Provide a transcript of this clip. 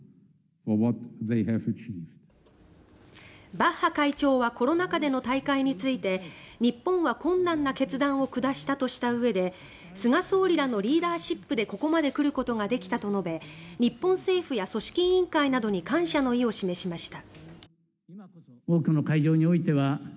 バッハ会長はコロナ禍での大会について日本は困難な決断を下したとしたうえで菅総理らのリーダーシップでここまで来ることができたと述べ日本政府や組織委員会などに感謝の意を示しました。